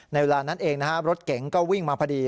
เวลานั้นเองนะฮะรถเก๋งก็วิ่งมาพอดี